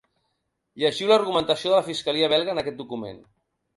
Llegiu l’argumentació de la fiscalia belga en aquest document.